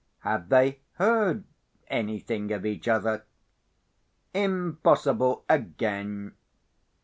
Had they heard anything of each other? Impossible again!